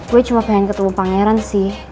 gue cuma pengen ketemu pangeran sih